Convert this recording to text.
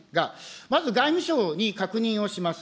まず外務省に確認をします。